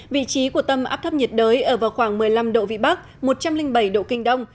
vị trí của tâm áp thấp nhiệt đới ở vào khoảng một mươi năm độ vĩ bắc một trăm linh bảy độ kinh đông